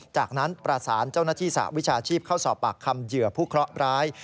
จากนั้นประสานเจ้าหน้าที่สหวิชาชีพเข้าสอบปากคำเหยื่อผู้เคราะห์ร้าย